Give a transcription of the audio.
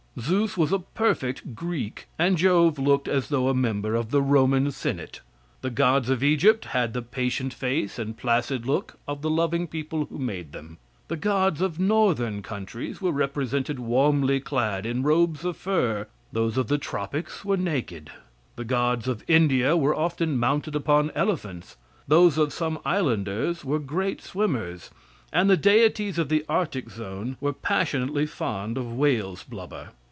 Zeus was a perfect Greek and Jove looked as though a member of the Roman senate. The gods of Egypt had the patient face and placid look of the loving people who made them. The gods of northern countries were represented warmly clad in robes of fur; those of the tropics were naked. The gods of India were often mounted upon elephants, those of some islanders were great swimmers, and the deities of the Arctic zone were passionately fond of whale's blubber.